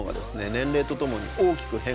年齢とともに大きく変化すると。